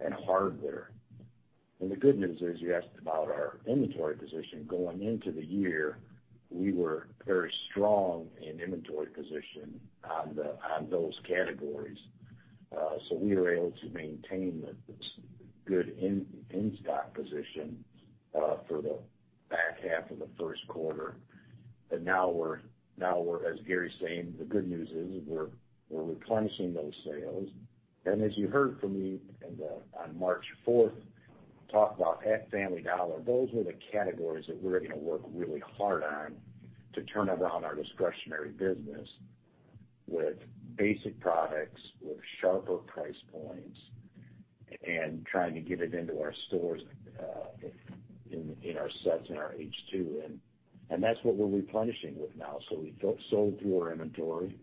and hardware. The good news is, you asked about our inventory position. Going into the year, we were very strong in inventory position on those categories. We were able to maintain this good in-stock position for the back half of the Q1. Now, as Gary's saying, the good news is we're replenishing those sales. As you heard from me on March 4th, talk about at Family Dollar, those were the categories that we were going to work really hard on to turn around our discretionary business with basic products, with sharper price points, and trying to get it into our stores in our sets in our H2. That's what we're replenishing with now. We've sold through our inventory.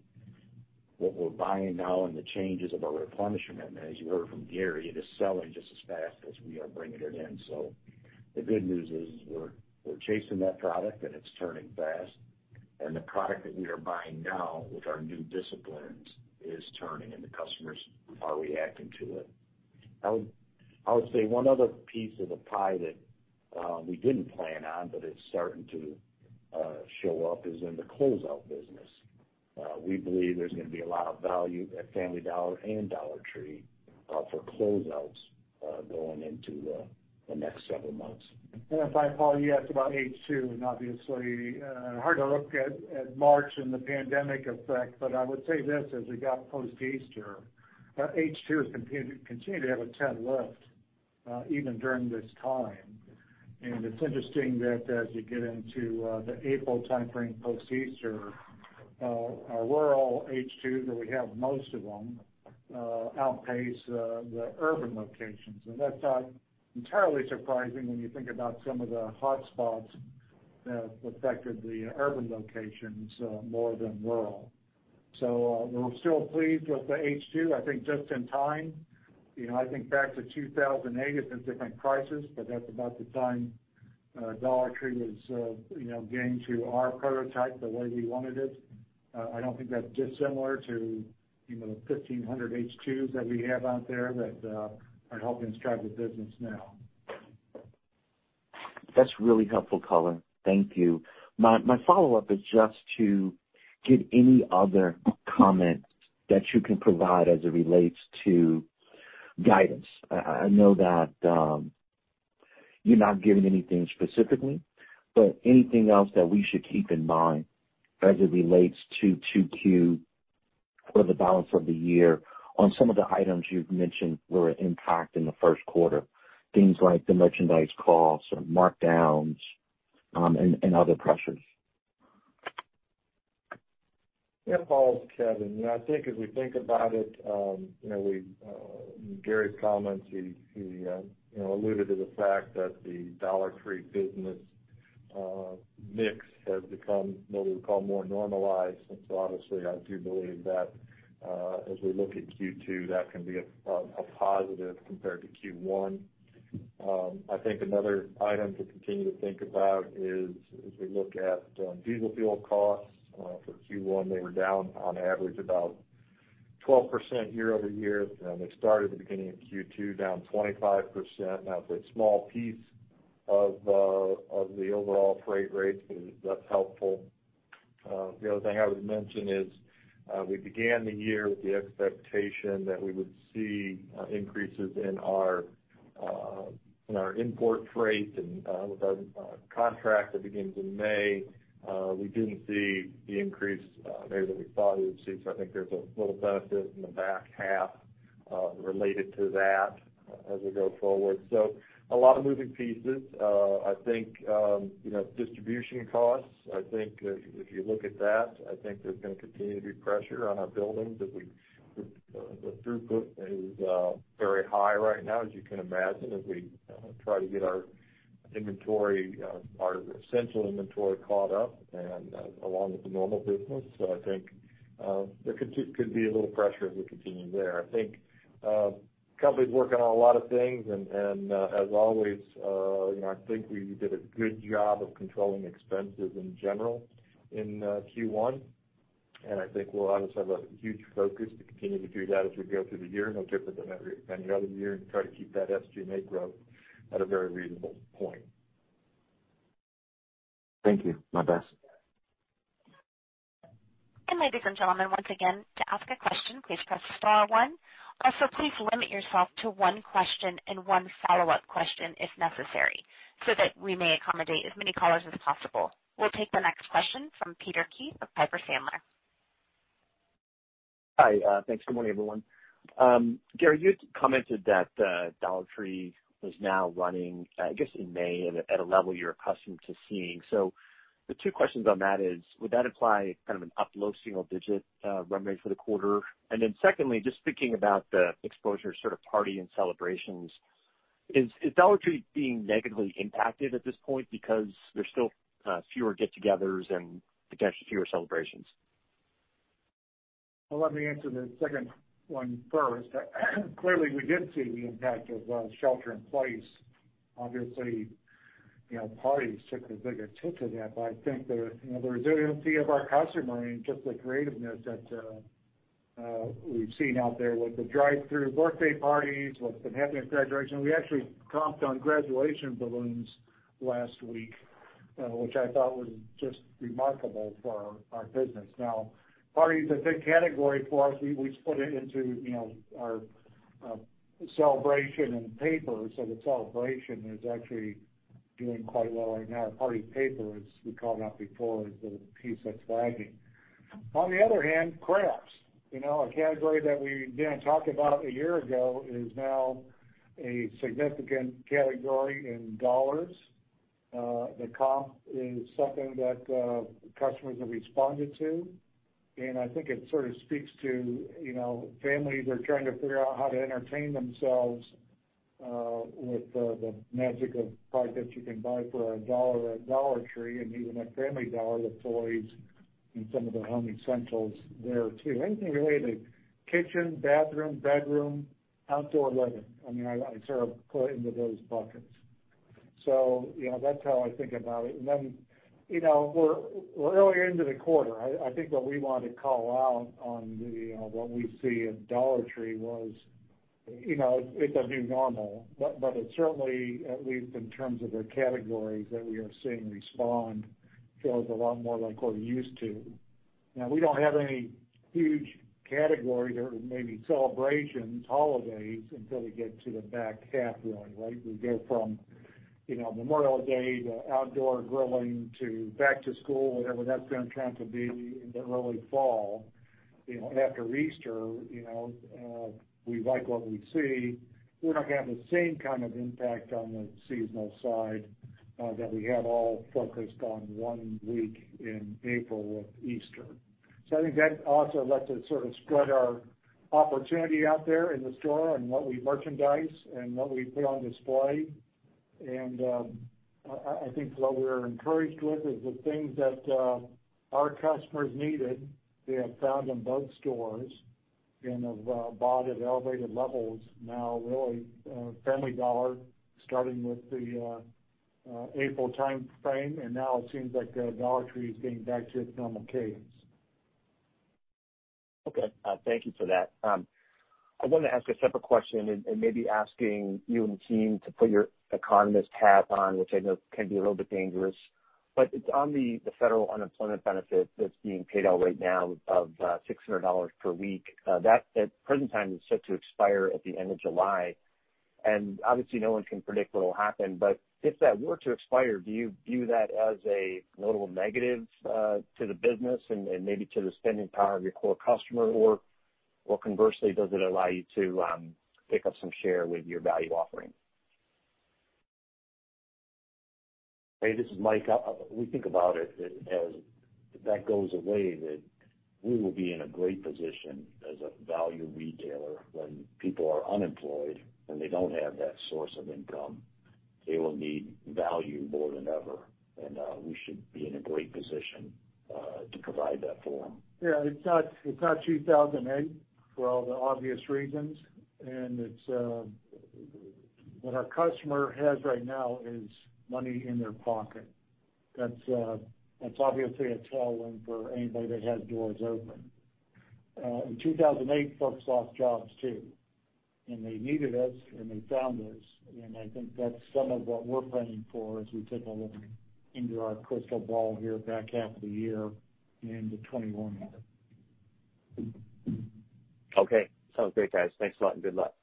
What we're buying now and the changes of our replenishment, as you heard from Gary, it is selling just as fast as we are bringing it in. The good news is we're chasing that product and it's turning fast. The product that we are buying now with our new disciplines is turning, and the customers are reacting to it. I would say one other piece of the pie that we didn't plan on, but it's starting to show up, is in the closeout business. We believe there's going to be a lot of value at Family Dollar and Dollar Tree for closeouts going into the next several months. If I, Paul, you asked about H2, obviously, hard to look at March and the pandemic effect, but I would say this as we got post Easter, H2 has continued to have a 10% lift even during this time. It's interesting that as you get into the April timeframe post Easter, our rural H2, that we have most of them, outpace the urban locations. That's not entirely surprising when you think about some of the hot spots that affected the urban locations more than rural. We're still pleased with the H2. I think just in time. I think back to 2008, it's a different crisis, but that's about the time Dollar Tree was getting to our prototype the way we wanted it. I don't think that's dissimilar to the 1,500 H2s that we have out there that are helping drive the business now. That's really helpful, Kevin. Thank you. My follow-up is just to get any other comment that you can provide as it relates to guidance. I know that you're not giving anything specifically, but anything else that we should keep in mind as it relates to 2Q for the balance of the year on some of the items you've mentioned were an impact in the Q1, things like the merchandise costs or markdowns, and other pressures. Yeah, Paul, it's Kevin. I think as we think about it, Gary's comments, he alluded to the fact that the Dollar Tree business mix has become what we would call more normalized. Obviously, I do believe that, as we look at Q2, that can be a positive compared to Q1. I think another item to continue to think about is as we look at diesel fuel costs. For Q1, they were down on average about 12% year-over-year. They started at the beginning of Q2 down 25%. Now it's a small piece of the overall freight rates, but that's helpful. The other thing I would mention is we began the year with the expectation that we would see increases in our import freight and with our contract that begins in May. We didn't see the increase there that we thought we would see. I think there's a little benefit in the back half related to that as we go forward. A lot of moving pieces. I think distribution costs, if you look at that, I think there's going to continue to be pressure on our buildings as the throughput is very high right now, as you can imagine, as we try to get our essential inventory caught up and along with the normal business. There could be a little pressure as we continue there. I think company's working on a lot of things and as always, I think we did a good job of controlling expenses in general in Q1, and I think we'll obviously have a huge focus to continue to do that as we go through the year, no different than any other year, and try to keep that SG&A growth at a very reasonable point. Thank you. My best. Ladies and gentlemen, once again, to ask a question, please press star one. Please limit yourself to one question and one follow-up question if necessary, so that we may accommodate as many callers as possible. We'll take the next question from Peter Keith of Piper Sandler. Hi, thanks. Good morning, everyone. Gary, you commented that Dollar Tree is now running, I guess, in May at a level you're accustomed to seeing. The two questions on that is, would that imply kind of an up low single digit run rate for the quarter? Secondly, just thinking about the exposure to party and celebrations, is Dollar Tree being negatively impacted at this point because there's still fewer get-togethers and potentially fewer celebrations? Well, let me answer the second one first. Clearly, we did see the impact of shelter in place. Obviously, parties took a bigger hit to that. I think the resiliency of our customer and just the creativeness that we've seen out there with the drive-through birthday parties, what's been happening at graduation. We actually comped on graduation balloons last week, which I thought was just remarkable for our business. Now, party is a big category for us. We split it into our celebration and paper, the celebration is actually doing quite well right now. Party paper, as we called out before, is the piece that's lagging. On the other hand, crafts. A category that we didn't talk about a year ago is now a significant category in dollars. The comp is something that customers have responded to, and I think it sort of speaks to families are trying to figure out how to entertain themselves with the magic of products that you can buy for a dollar at Dollar Tree, and even at Family Dollar, the toys and some of the home essentials there, too. Anything related, kitchen, bathroom, bedroom, outdoor living. I sort of put it into those buckets. That's how I think about it. We're early into the quarter. I think what we want to call out on what we see at Dollar Tree was, it's a new normal, but it certainly, at least in terms of the categories that we are seeing respond, feels a lot more like what we're used to. Now, we don't have any huge categories or maybe celebrations, holidays until we get to the back half really, right? We go from Memorial Day to outdoor grilling to back to school, whatever that's going to turn to be in the early fall. After Easter, we like what we see. We're not going to have the same kind of impact on the seasonal side that we had all focused on one week in April with Easter. I think that also lets us sort of spread our opportunity out there in the store and what we merchandise and what we put on display. I think what we're encouraged with is the things that our customers needed, they have found in both stores and have bought at elevated levels now, really Family Dollar starting with the April timeframe, and now it seems like Dollar Tree is getting back to its normal cadence. Okay. Thank you for that. I wanted to ask a separate question and maybe asking you and the team to put your economist hat on, which I know can be a little bit dangerous. It's on the federal unemployment benefit that's being paid out right now of $600 per week. That at the present time is set to expire at the end of July. Obviously, no one can predict what'll happen. If that were to expire, do you view that as a notable negative to the business and maybe to the spending power of your core customer? Conversely, does it allow you to pick up some share with your value offering? Hey, this is Mike. We think about it as if that goes away, that we will be in a great position as a value retailer when people are unemployed and they don't have that source of income. They will need value more than ever. We should be in a great position to provide that for them. It's not 2008 for all the obvious reasons, and what our customer has right now is money in their pocket. That's obviously a tailwind for anybody that has doors open. In 2008, folks lost jobs, too, and they needed us, and they found us, and I think that's some of what we're planning for as we take a look into our crystal ball here back half of the year and into 2021. Okay. Sounds great, guys. Thanks a lot and good luck.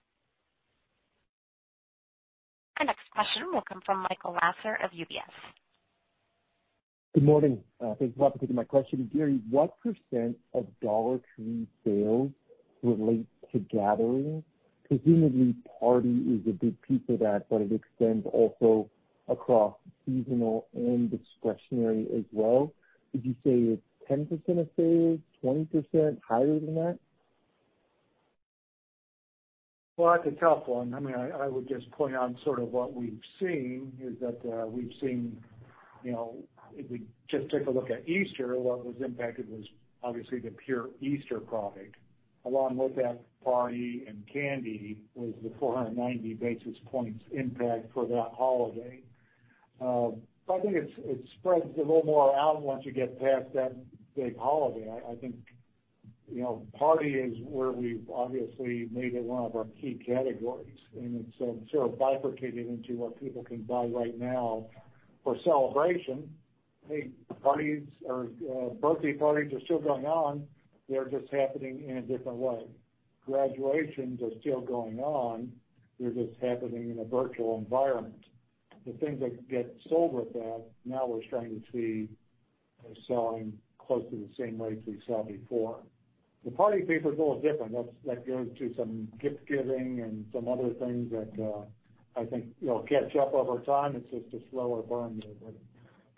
Our next question will come from Michael Lasser of UBS. Good morning. Thank you for taking my question. Gary, what % of Dollar Tree sales relate to gatherings? Presumably, party is a big piece of that, but it extends also across seasonal and discretionary as well. Would you say it's 10% of sales, 20%, higher than that? Well, that's a tough one. I would just point out sort of what we've seen, if we just take a look at Easter, what was impacted was obviously the pure Easter product. Along with that, party and candy were the 490-basis points impact for that holiday. I think it spreads a little more out once you get past that big holiday. I think that party is where we've obviously made it one of our key categories, and it's sort of bifurcating into what people can buy right now for celebration. Big parties or birthday parties are still going on. They're just happening in a different way. Graduations are still going on. They're just happening in a virtual environment. The things that get sold with that, now we're starting to see are selling close to the same rates we saw before. The party paper's a little different. That goes to some gift giving and some other things that I think will catch up over time. It's just a slower burn there.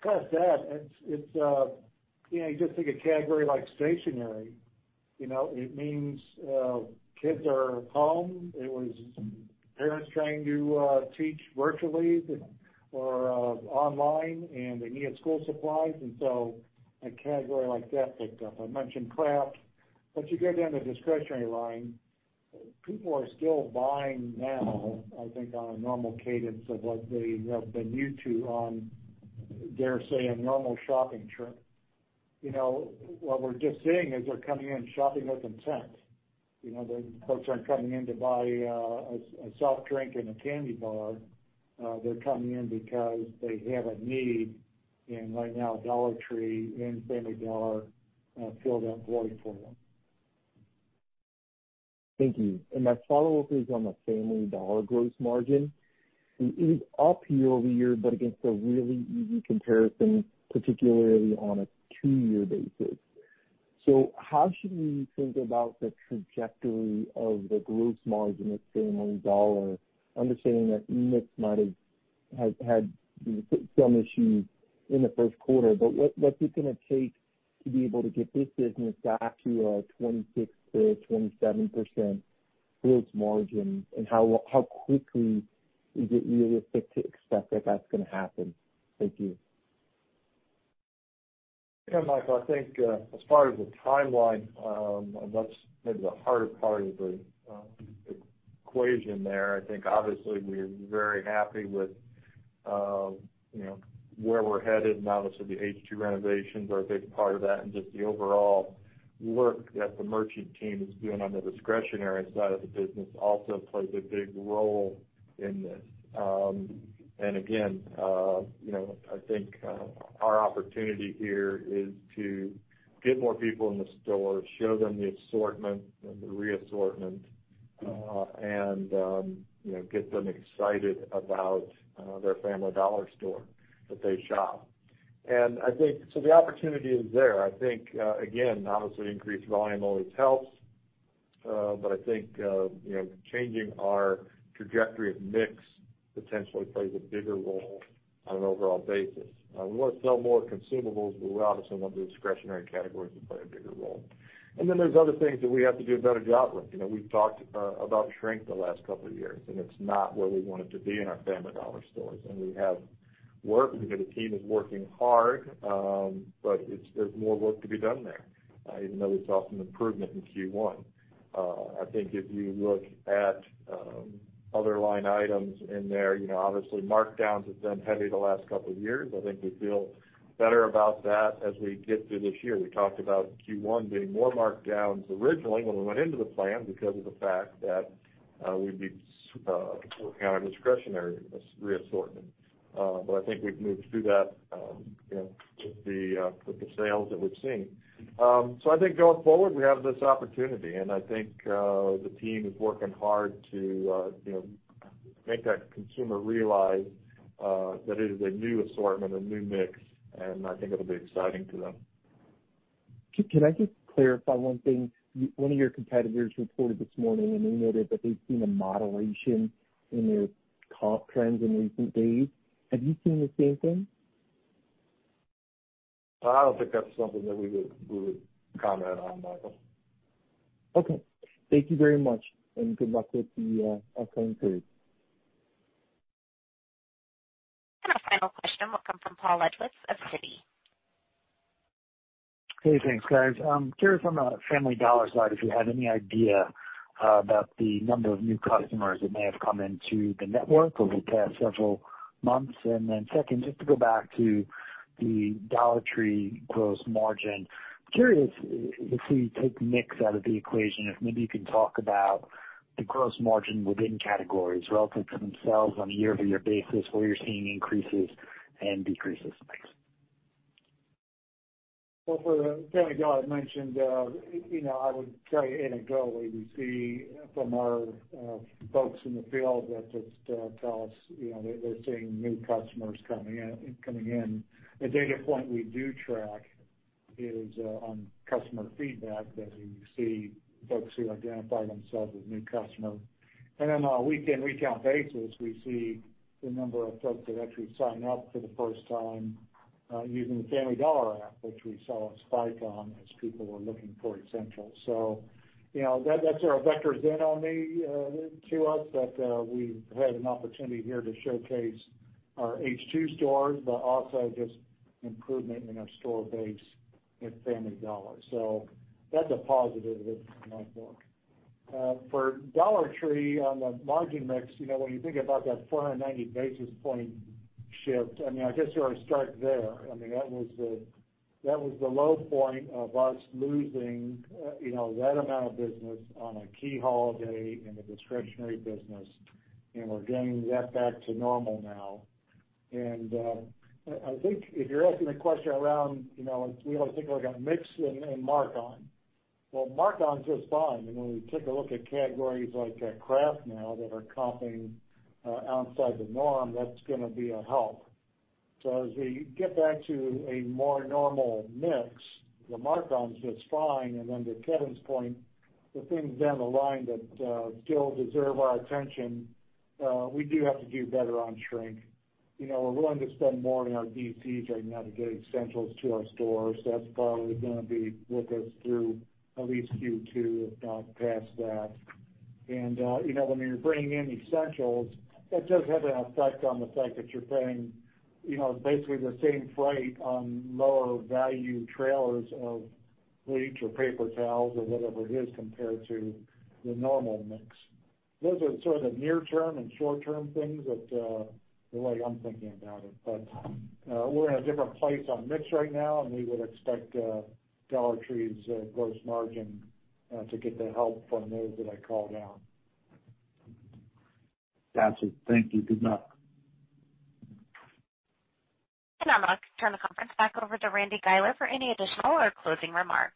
Besides that, you just take a category like stationery. It means kids are home. It was parents trying to teach virtually or online, they needed school supplies, a category like that picked up. I mentioned craft. Once you go down the discretionary line, people are still buying now, I think on a normal cadence of what they have been used to on, dare say, a normal shopping trip. What we're just seeing is they're coming in shopping with intent. The folks aren't coming in to buy a soft drink and a candy bar. They're coming in because they have a need, right now, Dollar Tree and Family Dollar fill that void for them. Thank you. My follow-up is on the Family Dollar gross margin. It is up year-over-year, but against a really easy comparison, particularly on a two-year basis. How should we think about the trajectory of the gross margin at Family Dollar, understanding that mix might have had some issues in the Q1, but what's it going to take to be able to get this business back to a 26%-27% gross margin, and how quickly is it realistic to expect that that's going to happen? Thank you. Michael, I think as far as the timeline, that's maybe the harder part of the equation there. I think obviously we're very happy with where we're headed. Obviously, the H2 renovations are a big part of that, and just the overall work that the merchant team is doing on the discretionary side of the business also plays a big role in this. Again, I think our opportunity here is to get more people in the store, show them the assortment and the re-assortment, and get them excited about their Family Dollar store that they shop. The opportunity is there. I think, again, obviously increased volume always helps. I think changing our trajectory of mix potentially plays a bigger role on an overall basis. We want to sell more consumables, but we obviously want the discretionary categories to play a bigger role. There are other things that we have to do a better job with. We've talked about shrink the last couple of years, and it's not where we want it to be in our Family Dollar stores. We have work because the team is working hard, but there's more work to be done there, even though we saw some improvement in Q1. I think if you look at other line items in there, obviously markdowns have been heavy the last couple of years. I think we feel better about that as we get through this year. We talked about Q1 being more markdowns originally when we went into the plan because of the fact that we'd be working on a discretionary re-assortment. I think we've moved through that with the sales that we've seen. I think going forward, we have this opportunity, and I think the team is working hard to make that consumer realize that it is a new assortment, a new mix, and I think it'll be exciting to them. Can I just clarify one thing? One of your competitors reported this morning, and they noted that they've seen a moderation in their comp trends in recent days. Have you seen the same thing? I don't think that's something that we would comment on, Michael. Okay. Thank you very much. Good luck with the upcoming period. Our final question will come from Paul Lejuez of Citi. Hey, thanks, guys. Curious on the Family Dollar side, if you have any idea about the number of new customers that may have come into the network over the past several months. Second, just to go back to the Dollar Tree gross margin. Curious if you take mix out of the equation, if maybe you can talk about the gross margin within categories relative to themselves on a year-over-year basis, where you're seeing increases and decreases mix. Well, for the Family Dollar I mentioned, I would tell you anecdotally, we see from our folks in the field that just tell us they're seeing new customers coming in. A data point we do track is on customer feedback, as you see folks who identify themselves as new customer. On a week-in-week-out basis, we see the number of folks that actually sign up for the first time using the Family Dollar app, which we saw a spike on as people were looking for essentials. That sort of vectors in on me, to us, that we've had an opportunity here to showcase our H2 stores, but also just improvement in our store base at Family Dollar. That's a positive that in my book. For Dollar Tree, on the margin mix, when you think about that 490-basis point shift, I guess you want to start there. That was the low point of us losing that amount of business on a key holiday in the discretionary business, and we're getting that back to normal now. I think if you're asking the question around, we always think about mix and mark on. Well, mark on's just fine. When we take a look at categories like craft now that are comping outside the norm, that's going to be a help. As we get back to a more normal mix, the mark on's just fine. To Kevin's point, the things down the line that still deserve our attention, we do have to do better on shrink. We're willing to spend more in our DCs right now to get essentials to our stores. That's probably going to be with us through at least Q2, if not past that. When you're bringing in essentials, that does have an effect on the fact that you're paying basically the same freight on lower value trailers of bleach or paper towels or whatever it is compared to the normal mix. Those are sort of near-term and short-term things that, the way I'm thinking about it. We're in a different place on mix right now, and we would expect Dollar Tree's gross margin to get the help from those that I called out. Got you. Thank you. Good luck. I'll turn the conference back over to Randy Guiler for any additional or closing remarks.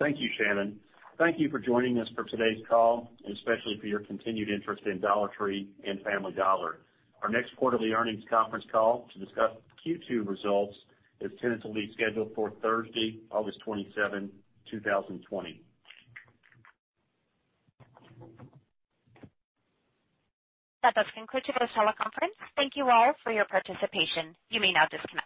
Thank you, Shannon. Thank you for joining us for today's call, and especially for your continued interest in Dollar Tree and Family Dollar. Our next quarterly earnings conference call to discuss Q2 results is tentatively scheduled for Thursday, August 27, 2020. That does conclude today's teleconference. Thank you all for your participation. You may now disconnect.